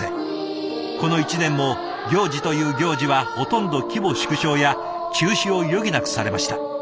この１年も行事という行事はほとんど規模縮小や中止を余儀なくされました。